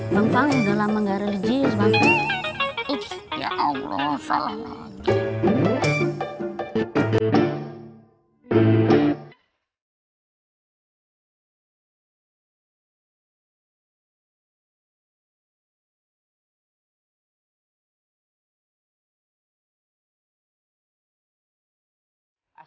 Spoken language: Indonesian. bang fang udah lama gak religi